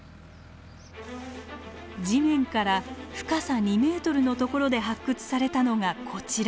地面から深さ２メートルのところで発掘されたのがこちら。